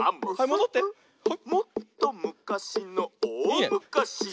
「もっとむかしのおおむかし」